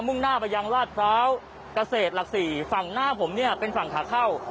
่งหน้าไปยังลาดพร้าวเกษตรหลักสี่ฝั่งหน้าผมเนี่ยเป็นฝั่งขาเข้า